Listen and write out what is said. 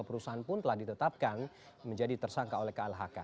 perusahaan pun telah ditetapkan menjadi tersangka oleh klhk